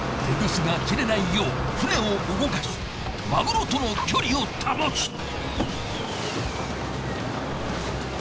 テグスが切れないよう船を動かしマグロとの距離を保つ。